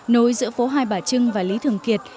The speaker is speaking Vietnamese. nối giữa phố hai bà trưng và lý thường kiệt